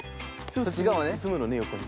すすむのね横に。